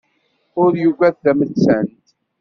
Ur yugad tamettant.